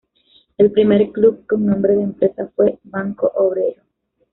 El primer club con nombre de empresa fue: Banco Obrero.